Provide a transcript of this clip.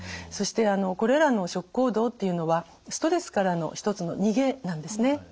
そしてこれらの食行動っていうのはストレスからの一つの逃げなんですね。